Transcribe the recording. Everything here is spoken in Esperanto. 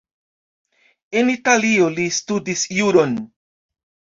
En Italio li studis juron.